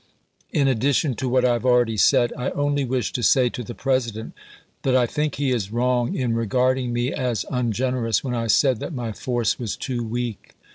In addition to what 1 have already said, I only wish to say to the President that I think he is wrong in regarding me as ungenerous when I said that my force was too weak.